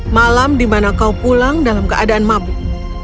malam di mana kau pulang dalam keadaan mabuk